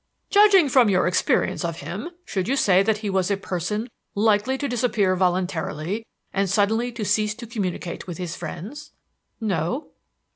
"Judging from your experience of him, should you say that he was a person likely to disappear voluntarily and suddenly to cease to communicate with his friends?" "No."